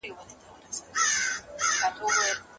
محصلين قومي او ګوندي مسايلو ته زيات وخت ورکوي.